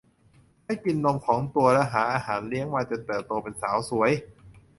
ให้กินนมของตัวและหาอาหารเลี้ยงมาจนเติบโตเป็นสาวสวย